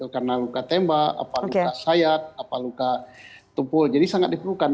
karena luka tembak apa luka sayat apa luka tumpul jadi sangat diperlukan